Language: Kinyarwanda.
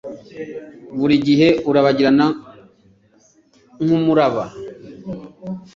buri gihe urabagirana nkumuraba